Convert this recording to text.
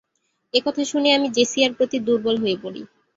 এ কথা শুনে আমি জেসিয়ার প্রতি দূর্বল হয়ে পড়ি।